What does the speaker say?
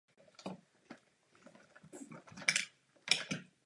Od této křižovatky převzala jméno i stanice metra.